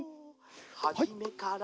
「はじめから」